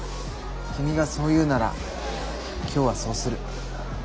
君がそう言うなら今日はそうする。